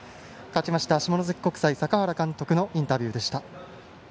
勝ちました下関国際坂原監督のインタビューでした。